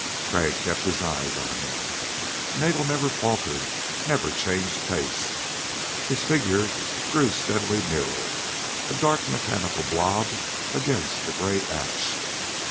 Crag kept his eyes on him. Nagel never faltered, never changed pace. His figure grew steadily nearer, a dark mechanical blob against the gray ash.